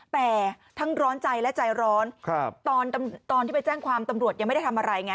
แต่ทั้งร้อนใจและใจร้อนตอนที่ไปแจ้งความตำรวจยังไม่ได้ทำอะไรไง